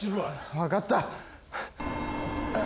分かった。